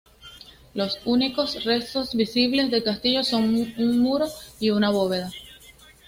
Los únicos restos visibles del castillo son un muro y una bóveda.